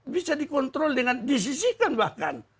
bisa dikontrol dengan disisihkan bahkan